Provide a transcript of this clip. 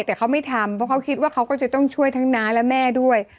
แต่เขาไม่ทำเพราะเขาคิดว่าเขาก็จะต้องช่วยทั้งน้าและแม่ด้วย